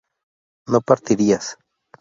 no partirías